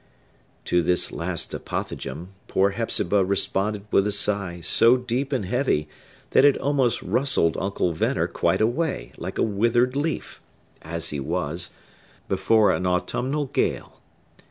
To this last apothegm poor Hepzibah responded with a sigh so deep and heavy that it almost rustled Uncle Venner quite away, like a withered leaf,—as he was,—before an autumnal gale.